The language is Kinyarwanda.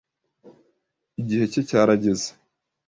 Igihe cye cyarageze.